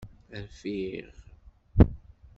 Rfiɣ.